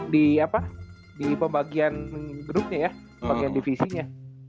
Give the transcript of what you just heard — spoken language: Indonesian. di apa di pembagian grupnya ya pembagian divisinya